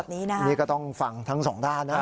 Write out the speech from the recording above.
นี่ก็ต้องฟังทั้งสองด้านนะ